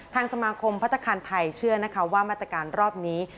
ทางสมาคมพัฒนาคารไทยเชื่อนะคะว่ามาตรการรอบนี้